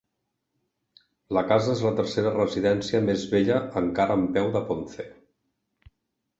La casa és la tercera residència més vella encara en peu de Ponce.